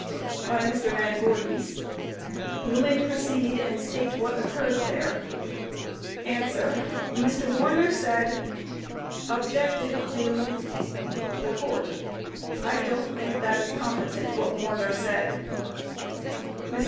By MR. VAN VOORHIS: Q. You may proceed and state what occurred there? A. Mr. Warner said Objected to. THE COURT: I don't think that is competent, what Warner said: MR.